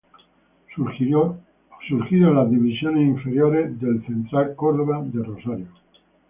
Surgido de las divisiones inferiores de Central Córdoba de Rosario.